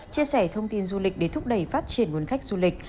chia sẻ thông tin du lịch để thúc đẩy phát triển nguồn khách du lịch